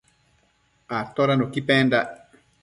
Atoda nuqui pendac?